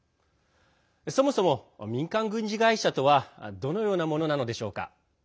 そもそも、民間軍事会社とはどのようなものなのでしょうか。